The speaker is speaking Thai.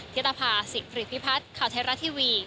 เทียตภาษิกฤทธิพัฒน์ข่าวเทราทีวี